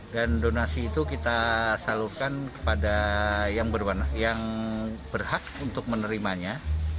dan donasi itu kita salurkan kepada yang berhak untuk menerimanya